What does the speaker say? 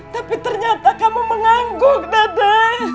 tapi ternyata kamu mengangguk dada